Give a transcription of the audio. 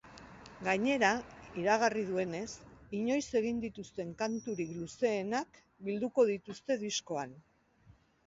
Gainera, iragarri duenez, inoiz egin dituzten kanturik luzeenak bilduko dituzte diskoan.